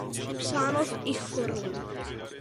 Psáno v ich formě.